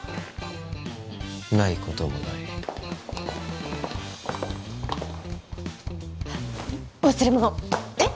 ないこともない忘れ物えっ？